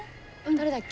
誰だっけ？